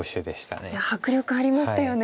いや迫力ありましたよね。